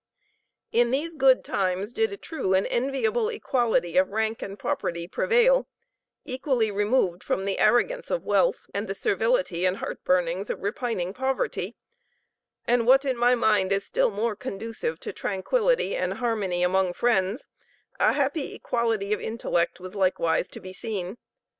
In these good times did a true and enviable equality of rank and property prevail, equally removed from the arrogance of wealth, and the servility and heart burnings of repining poverty and what in my mind is still more conducive to tranquillity and harmony among friends, a happy equality of intellect was likewise to be seen.